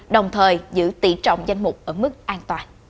đồng thời giữ tỷ trọng danh mục ở mức an toàn